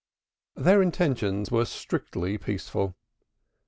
Their intentions were strictly peaceful.